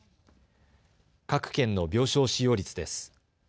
各県の病床使用率です。